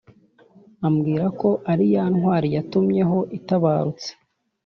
abwirwa ko ariyantwari yatumyeho itabarutse